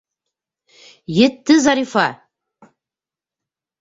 Етте, Зарифа!